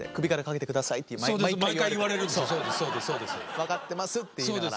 分かってますって言いながら。